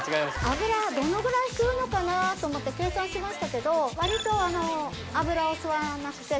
油どのぐらい吸うのかなと思って計算しましたけど割と油を吸わなくて。